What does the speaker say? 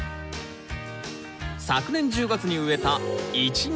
昨年１０月に植えたイチゴ。